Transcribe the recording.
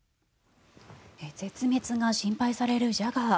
絶滅が心配されるジャガー。